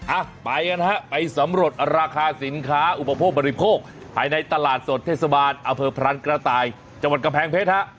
อ่ะไปกันฮะไปสำรวจราคาสินค้าอุปโภคบริโภคภายในตลาดสดเทศบาลอเภอพรานกระต่ายจังหวัดกำแพงเพชรฮะ